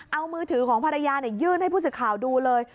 เอามือถือของภรรยายื่นให้ผู้สื่อข่าวดูเลย